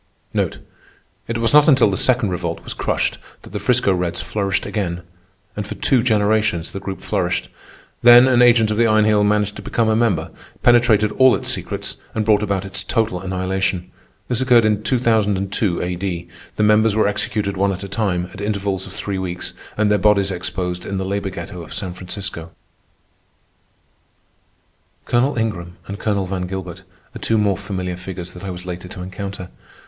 It was not until the Second Revolt was crushed, that the 'Frisco Reds flourished again. And for two generations the Group flourished. Then an agent of the Iron Heel managed to become a member, penetrated all its secrets, and brought about its total annihilation. This occurred in 2002 A.D. The members were executed one at a time, at intervals of three weeks, and their bodies exposed in the labor ghetto of San Francisco. Colonel Ingram and Colonel Van Gilbert are two more familiar figures that I was later to encounter.